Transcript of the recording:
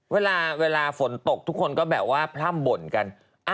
เวลาฝนตกทุกคนก็แบบว่าพร่ำบ่นกัน